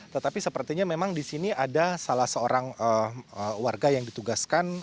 tetapi sepertinya memang di sini ada salah seorang warga yang ditugaskan